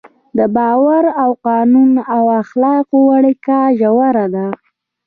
د باور، قانون او اخلاقو اړیکه ژوره ده.